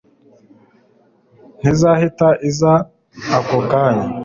ntizahita iza ako kanya